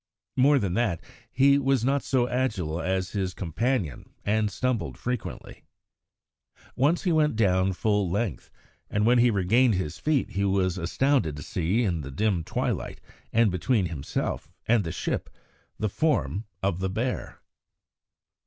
More than that, he was not so agile as his companion, and stumbled frequently. Once he went down full length, and when he regained his feet he was astounded to see in the dim twilight, and between himself and the ship, the form of the bear.